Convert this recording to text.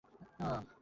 কাজ কিছুই নয়।